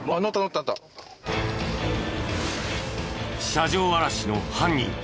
車上荒らしの犯人